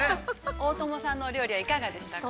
◆大友さんのお料理はいかがでしたか。